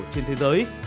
trên thế giới